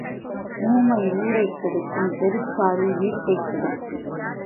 ஊமை ஊரைக் கெடுக்கும், பெருச்சாளி வீட்டைக் கெடுக்கும்.